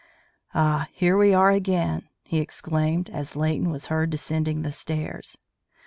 "Ah, here we are again," he exclaimed, as Leighton was heard descending the stairs.